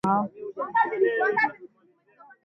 waliowakwi ambao wamekuwa wakiishi katika vyumba